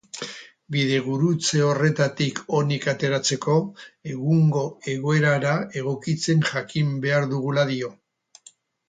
Bidegurutze horretatik onik ateratzeko, egungo egoerara egokitzen jakin behar dugula dio.